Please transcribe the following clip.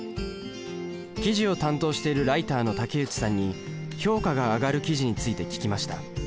記事を担当しているライターの武内さんに評価が上がる記事について聞きました。